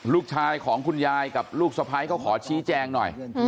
ลูกชายของคุณยายกับลูกสะพ้ายเขาขอชี้แจงหน่อย